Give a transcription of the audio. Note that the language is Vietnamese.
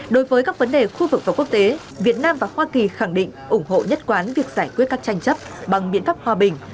đối với các vấn đề khu vực và quốc tế việt nam và hoa kỳ khẳng định ủng hộ nhất quán việc giải quyết các tranh chấp bằng biện pháp hòa bình